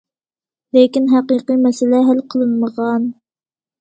لېكىن ھەقىقىي مەسىلە ھەل قىلىنمىغان.